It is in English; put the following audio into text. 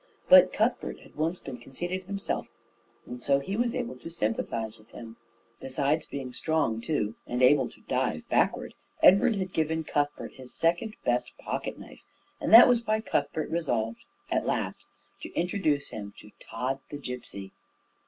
But Cuthbert had once been conceited himself, and so he was able to sympathize with him. Besides being strong too, and able to dive backward, Edward had given Cuthbert his second best pocket knife; and that was why Cuthbert resolved at last to introduce him to Tod the Gipsy.